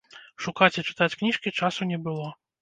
Шукаць і чытаць кніжкі часу не было.